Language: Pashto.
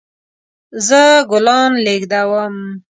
زه ګلان لیږدوم